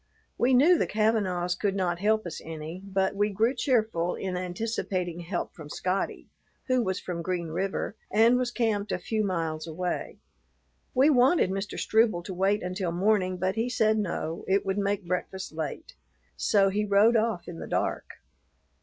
We knew the Kavanaughs could not help us any, but we grew cheerful in anticipating help from Scotty, who was from Green River and was camped a few miles away. We wanted Mr. Struble to wait until morning, but he said no, it would make breakfast late; so he rode off in the dark.